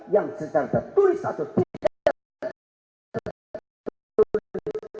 yang secara tertulis atau tidak tertulis